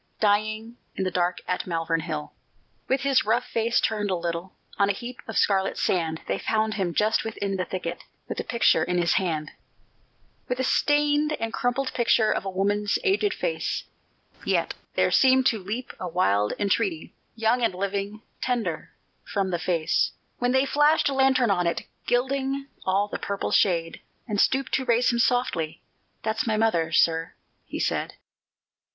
Dying in the dark at Malvern Hill. With his rough face turned a little, On a heap of scarlet sand, They found him, just within the thicket, With a picture in his hand, With a stained and crumpled picture Of a woman's aged face; Yet there seemed to leap a wild entreaty, Young and living tender from the face When they flashed a lantern on it, Gilding all the purple shade, And stooped to raise him softly, "That's my mother, sir," he said.